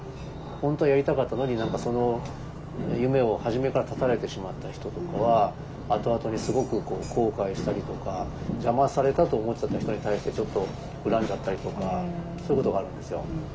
本当はやりたかったのに何かその夢を初めから断たれてしまった人とかは後々にすごく後悔したりとか邪魔されたと思っちゃった人に対してちょっと恨んじゃったりとかそういうことがあるんですよ。